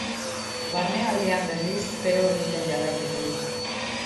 Barnealdean, berriz, bero egiten jarraituko du.